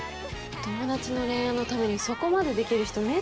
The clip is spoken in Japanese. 友達の恋愛のためにそこまでできる人めったにいないよ。